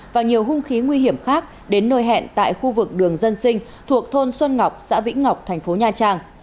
và nhiều hung khí nguy hiểm khác đến nơi hẹn tại khu vực đường dân sinh thuộc thôn xuân ngọc xã vĩnh ngọc thành phố nha trang